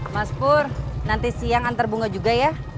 mas pur nanti siang antar bunga juga ya